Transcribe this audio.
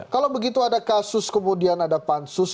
kalau begitu ada kasus kemudian ada pansus